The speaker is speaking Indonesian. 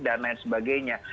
dan lain sebagainya